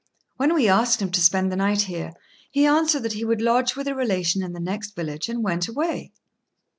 When we asked him to spend the night here, he answered that he would lodge with a relation in the next village, and went away."